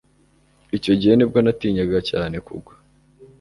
Icyo gihe nibwo natinyaga cyane kugwa